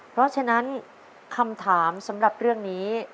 เพราะฉะนั้นคำถามสำหรับเรื่องนี้